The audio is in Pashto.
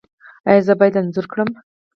ایا زه باید انځور کړم؟